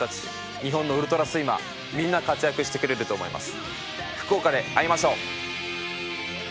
日本のウルトラスイマーみんな活躍してくれると思います。